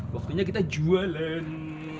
waktunya kita jualan